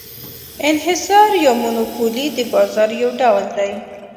انحصار یا monopoly د بازار یو ډول دی.